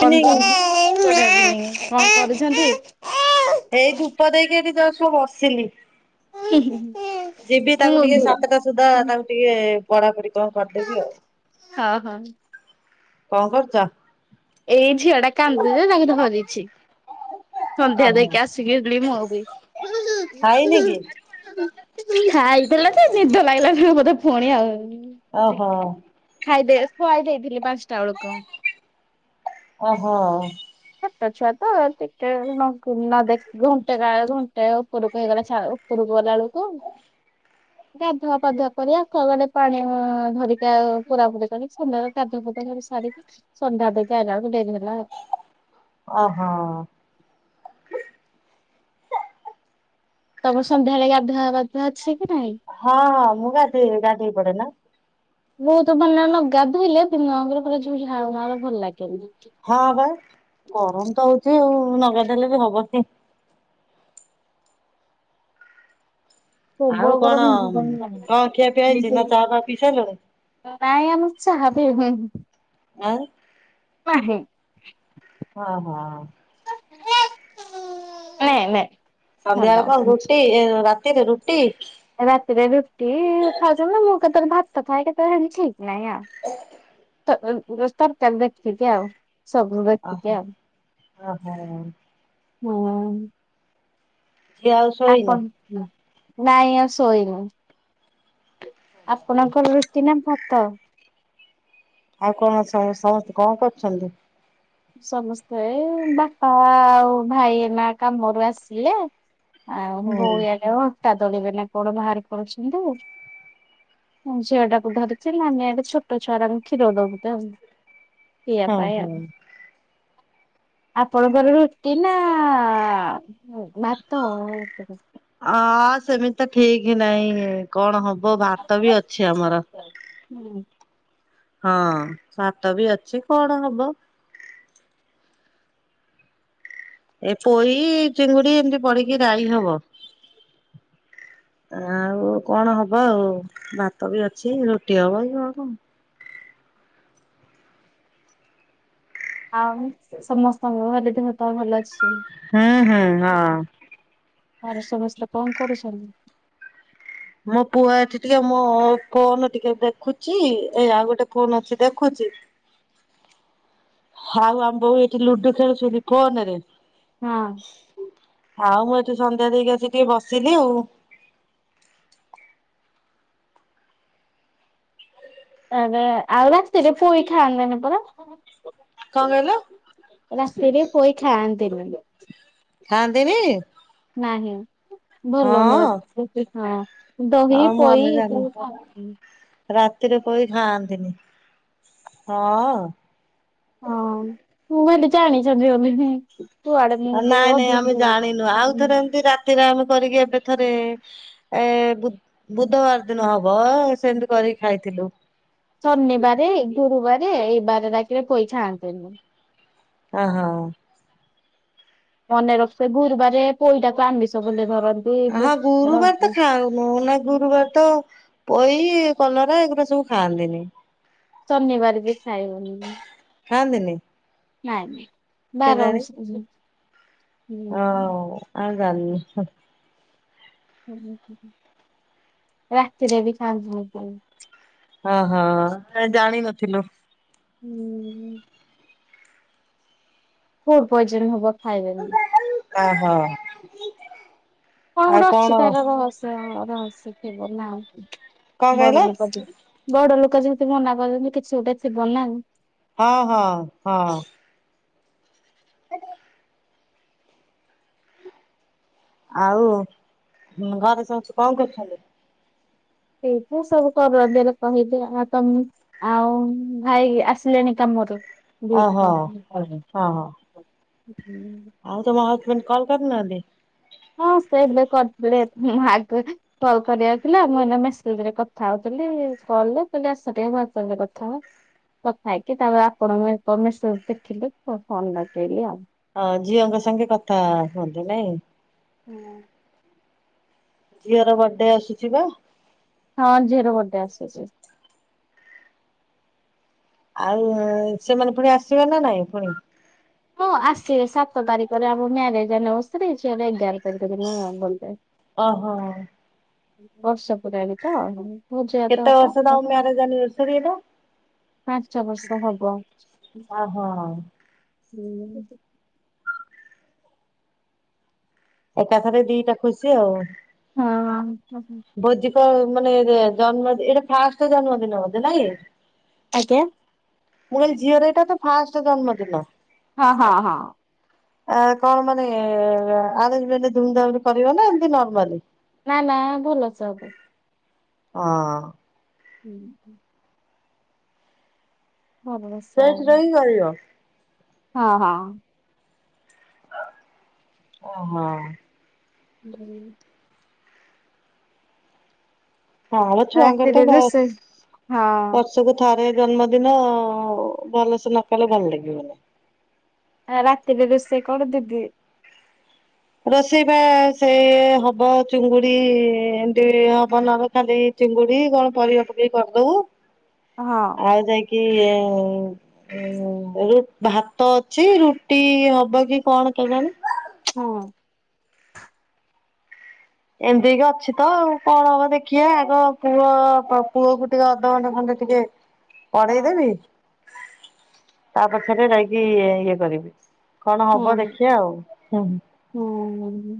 Evening ଏଇ ଧୂପ ଦେଇକି ଏଠି ଜଷ୍ଟ ବସିଲି। ହଁ ଯିବି ତାକୁ ଟିକେ ସାତଟା ସୁଦ୍ଧା ତାକୁ ଟିକେ ପଢାପଢି କଁ କରିଦେବି ଆଉ। [unintelligible] କଁ କରୁଚ। ଏଇ ଝିଅ ଟା କାନ୍ଦୁଚି ଯେ ତାକୁ ଧରିଛି। ସନ୍ଧ୍ୟା ଓହୋ ଦେଇକି ଆସିକିି [unintelligible] ମୁଁ ବି ଖାଇନି କି? [unintelligible] ଖାଇଥିଲା ଯେ ନିଦ ଲାଗିଲା [unintelligible] ବୋଧେ ଫୁଣି ଆଉ ଓହୋ ଖାଇଦେ ଖୁଆଇ ଦେଇଥିଲି ପାନ୍ସଟା ବୋଳୁକୁ। ଓହୋ। ଛୋଟଛୁଆ ତ ଟିକେ [unintelligible] ନ ଦେଖି ଘଣ୍ଟେ କାଳେ ଘଣ୍ଟେ ଉପୁରୁକୁ ହେଇଗଲେ [unintelligible] ଉପୁରୁକୁ ଗଲାଆଳୁକୁ। [inaudible] ଗାଧୁଆ ପାଧୁଆ କରି ଆକ୍ୱାଗାଡରେ ପାଣି ଉଁ ଧରିକି ଆଉ ପୁରା [unintelligible] ସାରିକି ସନ୍ଧ୍ୟା ଦେଇକି ଆଇଲା ଆଳୁକୁ ଡେରୀ ହେଲା। ଅଃ। ତମର ସନ୍ଧ୍ୟାବେଳେ ଗାଧୁଆ ପାଧୁଆ ଅଛି ନାହିଁ। ହଁ ହଁ ମୁଁ ଗାଧେଇବି ଗାଧେଇ ପଡେ ନା। ମୁଁ ତ ମାନେ ନ ଗାଧେଇଲେ ଦିନ ଆଙ୍କର ପୁରା ଯୋଉ ଝାଳ ମାଳ ଭଲ ଲାଗେନି। ହଁ ବା ଗରମତ ହଉଛି ଆଉ ନଗାଧେଇଲେ ବି ହବନି। ଆଉ ପ୍ରବଳ କଣ ଗରମ କଣ ଖିଆ ପିଆ ହେଇଛି ନା ଚା [unintelligible] ଫା ପିଇ ସାରିଲଣି ନାଇଁ ଆମେ ଚାହା ପିଉ। ଆ [unintelligible] ହଁ ହଁ ନେ ନେ ସନ୍ଧ୍ୟାବେଳେ କଣ ଭଲ। ରୁଟି ଏ ରାତିରେ ରୁଟି? ରାତିରେ ରୁଟି ଖାଉଚନ୍ତି ମୁଁ କେତେବେଳେ ଭାତ ଖାଏ କେତେବେଳେ ହେମିତି ଠିକ୍ ନାହିଁ ଆଉ। ତ ତରକାରୀ ଦେଖିକି ଆଉ ସବୁ ଦେଖିକି ଆଉ। ଓ ହୋ। ହୁଁ ଝିଅ ଆଉ ଆ ଶୋଇନି? କଣ ନାଇଁ ଆଉ ଶୋଇନୁ। ଆପଣଙ୍କର ରୁଟି ନା ଭାତ? ଆଉ କଣ ସମ ସମସ୍ତେ କଣ କରୁଛନ୍ତି? ସମସ୍ତେ ବାପା ଆଉ ଭାଇ ନା କାମରୁ ଆସିଲେ। ଆଉ ହୁଁ। ବୋଉ ଏଣେ ଅଟା ଦଳିବେ ନା କଣ ବାହାର କରୁଛନ୍ତି। ଝିଅ ଟାକୁ ଧରିଥିଲା ଆମେ ଏଠି ଛୋଟ ଛୁଆ ଙ୍କୁ କ୍ଷୀର ଦବୁ ତ ଆଉ। ପିଇବା ହଁ ପାଇଁ ହଁ। ଆଉ। ଆପଣଙ୍କର ରୁଟି ନା ଭାତ? ଅ ସେମିତି ତ ଠିକ୍ ନାହିଁ କଣ ହବ ଭାତ ବି ଅଛି ଆମର। ହୁଁ ହଁ ସାତ ବି ଅଛି କଣ ହବ। ଏ ପୋଇ ଚିଙ୍ଗୁଡି ଏମିତି ପଡିକି ରାଇ ହବ। ଆଉ କଣ ହବ ଆଉ ଭାତ ବି ଅଛି ରୁଟି ହବ କି କଣ। ଆଉ ସମସ୍ତଙ୍କ ଘରେ ଦେହପା ଭଲ ଅଛି? ହୁଁ ହୁଁ ହଁ। ଘରେ ସମସ୍ତେ କଣ କରୁଛନ୍ତି? ମୋ ପୁଅ ଏଠି ଟିକେ ମୋ ଫୋନ ଟିକେ ଦେଖୁଛି ଆଉ ଗୋଟେ ଫୋନ ଅଛି ଦେଖୁଛି। ଆଉ ଆମ ବଉ ଏଠି ଲୁଡୁ ଖେଳୁଛନ୍ତି ଫୋନ ରେ ହଁ ଆଉ ମୁଁ ଏଠି ସନ୍ଧ୍ୟା ଦେଇକି ଆସି ଟିକେ ବସିଲି ଆଉ। ଏବେ ଆଉ ରାତିରେ ପୁରୀ ଖାଆନ୍ତିନି ପରା? କଣ କହିଲ? ରାତିରେ ପୋଇ ଖାଆନ୍ତିନି। ଖାଆନ୍ତିନି? ନାହିଁ ଭଲ ନୁହଁ ହଁ ରାତିରେ ଦହି ଆଉ ମୁଁ ପୋଇ ଆମେ ଜାଣିନୁ ଏସବୁ ରାତିରେ ପୋଇ ଖାଆନ୍ତିନି ହଁ। ହଁ। କୁଆଡେ ମୁଁ ଯେ ନାଇଁ ନାଇଁ ଅଧିକ ଆମେ ଜାଣିନୁ ଆଉ ଥରେ ଏମତି ରାତିରେ ଆମେ କରିକି ଏବେ ଥରେ ଏ ବୁଧବାର ଦିନ ହବ ସେମତି କରିକି ଖାଇଥିଲୁ। ଶନିବାର, ଗୁରୁବାର ଏଇ ବାରରାକେ ପୋଇ ଖାଆନ୍ତିନି। ହଁ, ହଁ ମନେ ରଖିଥିବ ଗୁରୁବାର ପୋଇଟାକୁ ଆଇଁଷ ବୋଲି ଧରନ୍ତି। ମୁଁ ନା ଗୁରୁବାର ତ ପୋଇ, କଲରା ଏଗୁରା ସବୁ ଖାଆନ୍ତିନି। ଶନିବାର ବି ଖାଇବନି। ଖାଆନ୍ତିନି? ନାଇଁ ନାଇଁ ବାର କେଜାଣି? ଅନୁସାରେ ହଁ ଆଉ ଜାଣିନି। ହଁ ରାତିରେ ବି ଖାଆନ୍ତିୁନି କି ଓହୋ ଜାଣିିନଥିଲୁ। ହୁଁ। ଫୁଡ ପଏଜନ ହବ ଖାଇଲେନି। ଓ ହୋ। କଣ ଗୋଟେ ଅଛି ତାର ରହସ୍ୟ ରହସ୍ୟ ଥିବ ନା ଆଉ କଣ କହିଲ? ବଡ ଲୋକ ଯିବେ। ବଡ ଲୋକ ଯେମିତି ମନା କରଛନ୍ତି କିଛି ଗୋଟେ ଥିବନା ଆଉ। ହଁ, ହଁ। [unintelligible] ଆଉ ଘରେ ସମସ୍ତେ କଣ କରୁଛନ୍ତି? ସେଇ ସବୁ କର ଦେଲେ କହିବେ ଆଉ ତମେ ଆଉ ଭାଇ ଆସିଲେଣି କାମରୁ? ଓହୋ [inaudible] ହଁ ହଁ ଆଉ ତମ ହଜବେଣ୍ଡ କଲ କରିନାହାନ୍ତି? ହଁ ସେଇ କରିଥିଲେ ଆଗ କଲ୍ କରିବାକୁ ଥିଲା ମୁଁ ଏଇନା ମେସେଜରେ କଥା ହଉଥିଲି କଲ କହିଲି ଆସ ଟିକେ ମେସେଜରେ କଥା ହବା। କଥା ହେଇକି ତାପ ଆପଣଙ୍କୁ ମେସେଜ ଦେଖିଲି ଫୋନ ଲଗେଇଲି ଆଉ। ହଁ ଝିଅଙ୍କ ସାଙ୍ଗେ କଥା ହଅନ୍ତି ନାଇଁ? ହୁଁ ଝିଅର ବର୍ଡେ ଆସୁଛି ପା। ହଁ ଝିଅର ବର୍ଡ଼େ ଆସୁଛି। ଆଉ ହୁଁ। ସେମାନେ ପୁଣି ଆସିବେ ନା ନାଇଁ ପୁଣି? ମୁଁ ଆସିବେ ସାତ ତାରିଖରେ ଆମ ମ୍ୟାରେଜେ ଆନିଭସରି ସେ ଏଗାର ତାରିଖ ଦିନ ମୁଁ ବୋଧେ। ଓହୋ ହଁ। ବର୍ଷ ପୁରାରେ ତ ପୂଜା ତ କେତେ ହବ। ବର୍ଷ ତମ ମ୍ୟାରେଜ ଆନିଭର୍ସରୀ ଏଟା? ପାଞ୍ଚ ବର୍ଷ ହବ। ଓହୋ ଏକାଥରେ ଦିଟା ଖୁସି ଆଉ। ହଁ। ଭୋଜିିକ ମାନେ ଜନ୍ମ ଏଇଟା ଫାଷ୍ଟ ଜନ୍ମଦିନ ବୋଧେ ନାଇଁ? ଆଜ୍ଞା। ମୁ କହିଲି ଝିଅ ର ଏଟା ତ ଫାଷ୍ଟ ଜନ୍ମ ଦିନ? ହଁ, ହଁ, ହଁ। ଆ କଣ ମାନେ ଆରେଂଞ୍ଜମେଣ୍ଟ ଧୁମଧାମରେ କରିବ ନା ଏମିତି ନର୍ମାଲ। ନା ନା ଭଲ ସବୁ। ହଁ। ହୁଁ [unintelligible] ଭଲସେ ସେଇଠ ହବ ରହିଗ ଆ [unintelligible] ହଁ ହଁ। ଓହୋ। ହୁଁ [unintelligible] ହଁ ବଛୁଆଙ୍କର ତ ରାତିରେ ରୋଷେଇ ହଁ ବହୁ- ସବୁ ଥରେ ଜନ୍ମଦିନ ଭଲସେ ନ କଲେ ଭଲ ଲାଗିବନି। ରାତିରେ ରୋଷେଇ କର ଦିଦି? ରୋଷେଇ ବା ସେଇ ହବ ଚୁଙ୍ଗୁଡି ଏମତି ହବ ନହଲେ ଖାଲି - ଚିଙ୍ଗୁଡି କଣ ପରିବା ପକେଇ କରିଦବୁ। ହଁ। ଆଉ ଯାଇକି - ହଁ ଭାତ ଅଛି ରୁଟି ହବ କି କଣ କେଣି- ହଁ। ଏମିତିକି ଅଛି ତ ଆ କଣ ହବ ଦେଖିବା ଆଗ ପୁଅ ପୁଅ କ ଟିକେ ଅଧଘଣ୍ଟେ ଖଣ୍ଡେ - ହ ପଢେଇ ହଁ। ଦେବି ତା ପଛରେ ଯାଇକି ଇଏ କରିବି। କଣ ହୁଁ ହବ ଦେଖିବା ଆଉ ହୁଁ। ହୁଁ।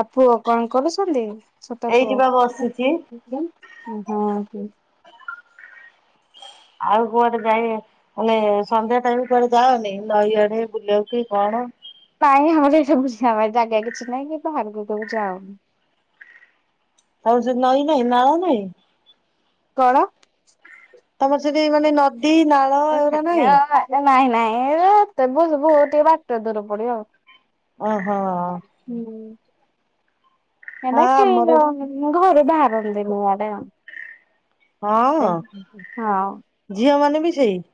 ଆଉ ପୁଅ କଣ କରୁଛନ୍ତି ଛୋଟ ପୁଅ ଏଇଠି ବା ହଁ? ବସିଛି ଆଉ କୁଆଡେ ଯାଇ - ମାନେ ସନ୍ଧ୍ୟା ଟାଇମ କଆେ ଯାାଉନି ନଈଆଡେ ବୁଲଉ କି କଣ? କ ଆମର ଏଇଟା ବୁଝ ଆମ ଜାଗା କିଛି ନାଇଁ କି ତ ଆକୁ ଯାାଉନ। ଆଉ ସେ ନଈଁ ନହିଁ ନାଳ ନାହିଁ। କଣ? ତମର ସେଠି ମାନେ ନଦୀ ନାଳ- ଏଗୁରା ନାହିଁ ନାଇଁ ନାଇଁତେୁ ଟିକେ ବାଟରେ ଦୂର ପଡିବ ଆଉ। ଓହୋ। ହୁଁ ହଁ ଆମର ମାତନ [unintelligible] ମୁଁ ଘରୁ ବାହାରନ୍ତିନୁଆଡେ - ହଁ ହଁ ଝିଅ ମାନେ ବି ସେଇ -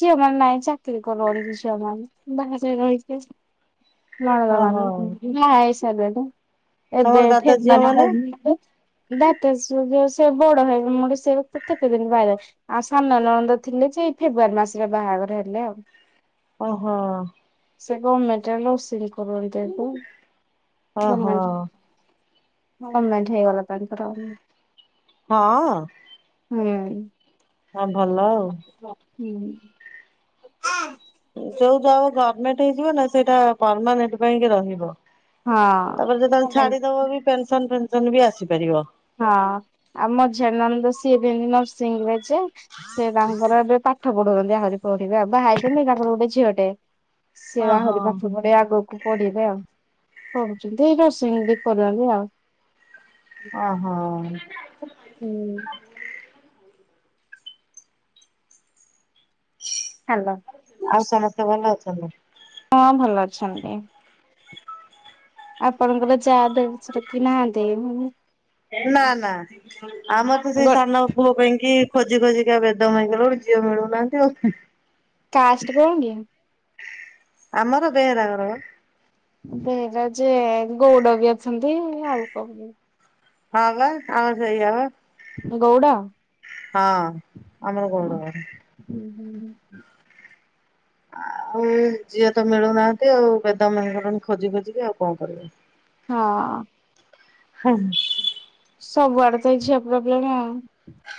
ଝିଅ ମାନ ନାଇଁ ଚାକିରୀ କରଛି ଝିଅ ମାନ ବାହାରେ ରହିଛ। ନଣନ୍ଦ ଓହୋ ମାନେ ବାହାହେଇ ସାରିଲେଣି ଏବେ ତମର ଦାଦା ଏଠି ଝିଅ ମାନେ - ଦତ ସେ ବଡ ହେ ମୁୋ ସେ ତ କେତେ ଦିନ ବାାଇର [unintelligible] ଆଉ ସାନ ନଣନ୍ଦ ଥିଲେ ସେଇ ଫେବୃୁଆାରୀ ମାସରେ ବାହାଘର ହେଲେ ଆଉ। ଓହୋ। ସେ ଗମେଣ୍ଟ ରେ ନର୍ସିଙ୍ଗସ କରନ୍ତି। ଓହୋ ଗମେଣ୍ଟ ହେଇଗଲା ତାଙ୍କର। ହଁ। ହୁଁ। ହଁ ଭଲ ଆଉ। ହୁଁ। ଯୋଉ ଯହା ଗଭର୍ଣ୍ଣମେଣ୍ଟ ହେଇଯିବ ନା ସେଇଟା ପରମାନେେଣ୍ଟ ପାଇଁକି ରହିବ। ତାପରେ ଯେତେବେଳେ ହଁ। ଛାଡିଦବ ବି ପେନସନ ଫେନସନ ବି ଆସିପାରିବ। ହଁ ଆଉ ମଝିଆଣି ନଣନ୍ଦ ସିଏବି ନରସିଂହ ରେ ଯେ। ସେ ତାଙ୍କର ଏବେ ପାଠ ପଢଉଛନ୍ତି ଆହୁରି ପଢିବେ ବାହା ହେଇଛନ୍ତି ତାଙ୍କର ଗୋଟେ ଝିଅଟେ। ସେବା ଓହୋ। ଆହୁରି ପାଠ ପଢିବେ ଆଗକୁ। ପଢିବେ ଆଉ କରୁଛନ୍ତି ନରସିଙ୍ଗ ବି କରନ୍ତି ଆଉ। ଓହୋ। ହୁଁ। ହ୍ୟାଲୋ ଆଉ ସମସ୍ତେ ଭଲ ଅଛନ୍ତି ହଁ ଭଲ ଅଛନ୍ତି ଆପଣଙ୍କର ଯାହା ଦେବର କି ନା ଦେବ ନା ନା ଆମର ତ ସେଇ ଗୋ ସାନ ପୁଅ ପାଇଁ କି ଖୋଜି ଖୋଜିିକି ଆ ବେଦ ମାଇଗଲା ବକୁ ଝି ମିଳନାହାନ୍ତିେ କାଷ୍ଟ କହ କି ଆମର ବେହେରା ଘର ସେରା ଯେ ଗଉଡ ବି ଅଛନ୍ତି ଆଉ କ ହଁ ବା ଆମ ସେଇ ହବ ଗଉଡ଼ା ହଁ ଆମର ଗୋଡର ହୁଁ ହୁଁ ହୁଁ ଆଉ ଝିଅ ତ ମିଳୁନାହାନ୍ତି ଆଉ ବେଦ ମେଙ୍କରଣି ଖୋଜି ଖୋଜିିବି ଆଉ କଣ କରିବ ହଁ ହୁଁ ସବୁଆଡେ ତ ଝିଅ ପ୍ରୋବ୍ଲେମ ଆଉ।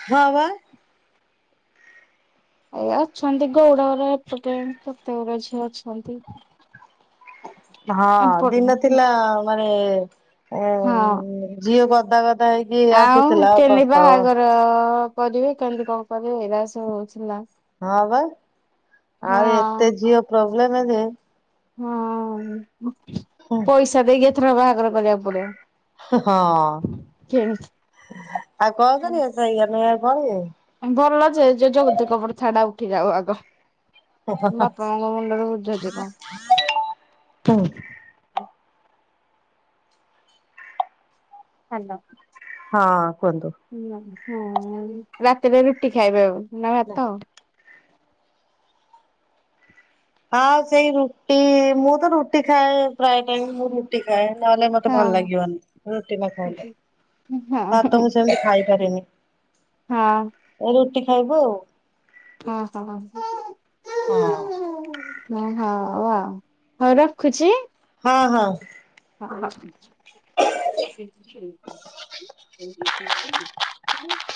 ହଁ ବା। ଏ ଅଛନ୍ତି ଗୌଡଘର ଏପଟେ କେତେଗୁରେ ଝିଅ ଅଛନ୍ତି। ହଁ ଏପଟେ ଦିନ ହଁ। ଥିଲା ମାନେ ଝିଅ ଗଦାଗଦ ହେଇକି ଆଉ ଆସୁଥିଲା କେମିତି ପ୍ରସ୍ତବ। ବାହାଘର କରିବେ କେମିତି କଣ କରିବେ, ଏଇରାସ ହଉଥିଲା। ହଁ ବା ଆଉ ଏତେ ଝିଅ ପ୍ରୋବ୍ଲେମ ହେ ଯେ ହଁ ହଁ ପଇସା ଦେଇକି ଏଥର ବାହାଘର କରିବାକୁ ପଡିବ। ହଁ କିଣି ଆଉ କଣ କରିବ, ସେଇଆ ନୁହେଁ ଆଉ କଣ କି? ଭଲ ଯେ, ଯୋଉ ଯୌତୁକ ପ୍ରଥାଟା ଉଠି ଯାଉ ଆଗ। ବାପା ମାଙ୍କ ମୁଣ୍ଡରେ ବୋଝ ଯିବ। ହୁଁ। ହାଲୋ। ହଁ କୁହନ୍ତୁ? ହଁ ରାତିରେ ରୁଟି ଖାଇବେ ଆଉ, ନା ଭାତ? ଆଉ ସେଇ ରୁଟି ମୁଁ ତ ରୁଟି ଖାଏ ପ୍ରାୟ ଟାଇ ରୁଟି ଖାଏ, ନହେଲେ ମତେ ଭଲ ହଁ। ଲାଗିବନି ରୁଟି ନ ହଁ ଖାଇଲେ। ହଁ ହଁ ତ ମୁଁ ସେମିତି ଖାଇପାରିନି। ହଁ। ଏ ରୁଟି ଖାଇବୁ ଆଉ। ହଁ ହ। ଆଉ ହଉ ଆଉ ହଁ ରଖୁଛି। ହଁ ହଁ। ହଁ [unintelligible] [unintelligible]